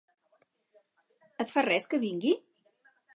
Et fa res que vingui?